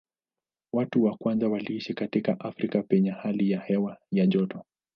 Watu wa kwanza waliishi katika Afrika penye hali ya hewa ya joto.